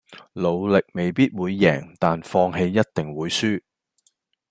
努力未必會贏但放棄一定會輸